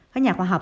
các nhà khoa học